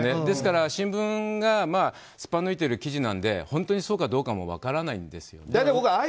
ですから新聞がすっぱ抜いている記事なので本当にそうかどうか分からないんですよね。